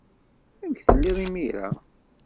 Amek telliḍ imir-a?